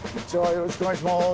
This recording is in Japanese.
よろしくお願いします。